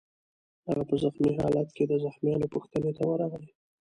هغه په زخمي خالت کې د زخمیانو پوښتنې ته ورغی